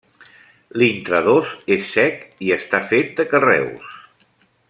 L'intradós és cec i està fet de carreus.